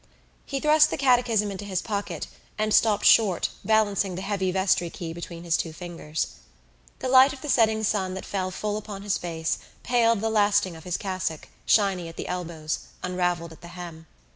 He thrust the catechism into his pocket, and stopped short, balancing the heavy vestry key between his two fingers. The light of the setting sun that fell full upon his face paled the lasting of his cassock, shiny at the elbows, unravelled at the hem.